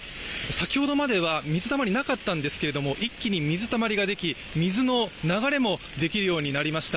先ほどまでは水たまりなかったんですが、一気に水たまりができ、水の流れもできるようになりました。